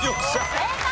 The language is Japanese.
正解。